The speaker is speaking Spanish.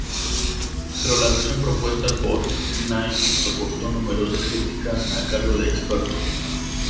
Pero la versión propuesta por Knight soportó numerosas críticas a cargo de expertos.